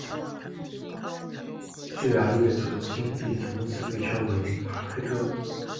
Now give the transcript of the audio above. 匈牙利的纯金币从此被称为达克特。